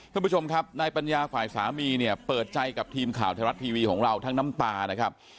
ท่านผู้ชมครับนายปัญญาฝ่ายสามีเนี่ยเปิดใจกับทีมข่าวไทยรัฐทีวีของเราทั้งน้ำตานะครับ